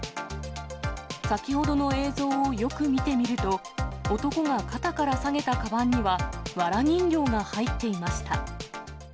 先ほどの映像をよく見てみると、男が肩から提げたかばんには、わら人形が入っていました。